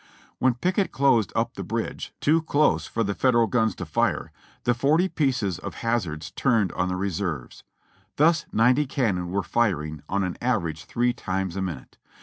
When Pickett closed up the bridge, too close for the Federal guns to fire, the forty pieces of Hazard's turned on the reserves; thus ninety cannon were firing on an average three times a minute.